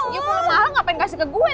ya kalau mahal gak pengen kasih ke gue